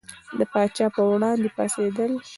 د پاچا پر وړاندې پاڅېدل.